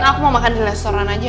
aku mau makan di restoran aja